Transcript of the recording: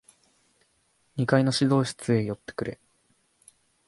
二階の指導室へ寄ってくれ。